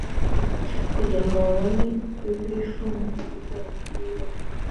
kugira ngo babone pbf mu buryo bukwiye